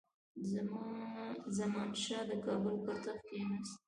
زمانشاه د کابل پر تخت کښېناست.